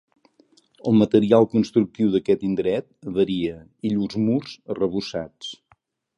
El material constructiu d'aquest indret varia i llurs murs arrebossats.